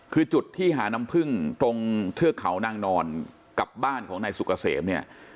คือจุดที่หาน้ำพึ่งตรงเทือกเขานางนอนกับบ้านของนายสุกเกษมเนี่ย